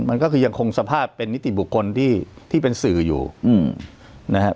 มันก็คือยังคงสภาพเป็นนิติบุคคลที่เป็นสื่ออยู่นะฮะ